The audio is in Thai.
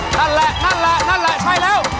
นั่นแหละนั่นแหละนั่นแหละใช่แล้ว